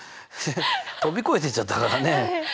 飛び越えていっちゃったからね。